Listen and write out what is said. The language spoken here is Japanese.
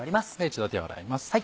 一度手を洗います。